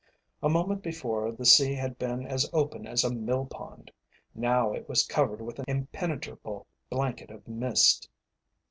A moment before the sea had been as open as a mill pond; now it was covered with an impenetrable blanket of mist.